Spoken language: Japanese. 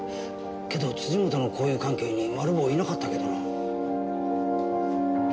けど本の交友関係にマル暴はいなかったけどな。